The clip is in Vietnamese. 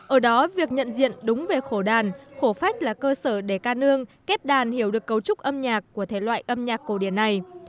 ở đó việc nhận diện đúng về khổ đàn khổ phách là cơ sở để ca nương kép đàn hiểu được cấu trúc âm nhạc của thể loại âm nhạc cổ điển này